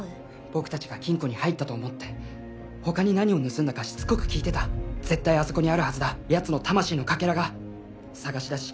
僕たちが金庫に入ったと思って他に何を盗んだかしつこく聞いてた絶対あそこにあるはずだやつの魂のかけらが探し出し